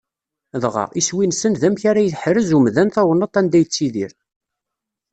Dɣa, iswi-nsen d amek ara yeḥrez umdan tawennaḍt anda yettidir.